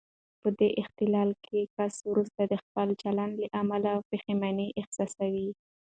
په دې اختلال کې کس وروسته د خپل چلن له امله پښېماني احساسوي.